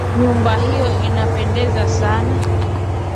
Nyumba hiyo inapendeza sana.